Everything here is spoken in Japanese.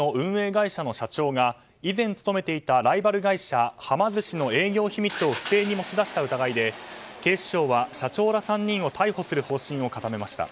会社の社長が以前勤めていたライバル会社はま寿司の営業秘密を不正に持ち出した疑いで警視庁は社長ら３人を逮捕する方針を固めました。